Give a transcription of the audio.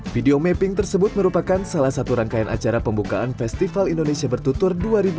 video mapping tersebut merupakan salah satu rangkaian acara pembukaan festival indonesia bertutur dua ribu dua puluh